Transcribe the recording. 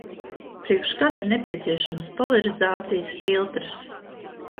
Priekš kam ir nepieciešams polarizācijas filtrs?